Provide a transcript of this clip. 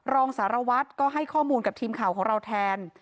รองสารวัตรก็ให้ข้อมูลกับทีมข่าวของเราแทน